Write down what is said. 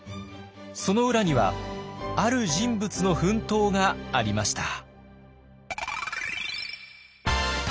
その裏にはある人物の奮闘がありました。